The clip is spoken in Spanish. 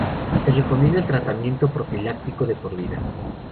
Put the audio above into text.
Se recomienda el tratamiento profiláctico de por vida.